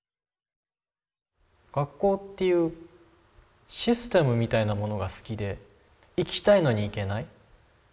学校っていうシステムみたいなものが好きで行きたいのに行けない。